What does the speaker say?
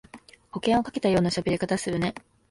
保険をかけたようなしゃべり方するね